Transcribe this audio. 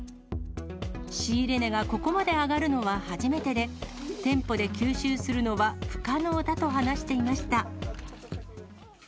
仕入れ値がここまで上がるのは初めてで、店舗で吸収するのは不可能だと話していました。